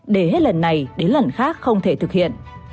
để hết lần này đến lần khác không thể thực hiện